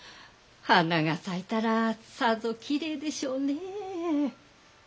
花が咲いたらさぞきれいでしょうねえ。